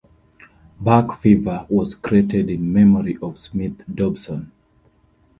"Buck Fever" was created in memory of Smith Dobson.